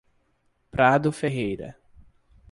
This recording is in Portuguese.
Prado Ferreira